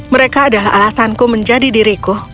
mereka adalah alasanku menjadi diriku